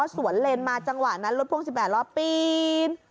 สวนเลนมาจังหวะนั้นรถพ่วง๑๘ล้อปีน